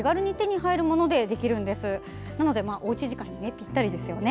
なので、おうち時間にぴったりですよね。